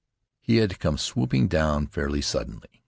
He had come swooping down fairly suddenly.